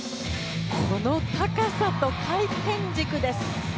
この高さと回転軸です。